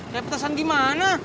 ke petasan gimana